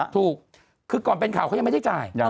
ถูกคือก่อนเป็นข่าวเขายังไม่ได้จ่าย